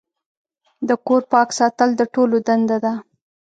د کور پاک ساتل د ټولو دنده ده.